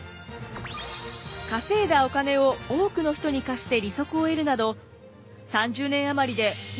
稼いだお金を多くの人に貸して利息を得るなど３０年余りですごい！